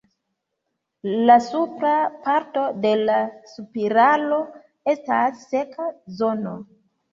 La supra parto de la spiralo estas seka zono.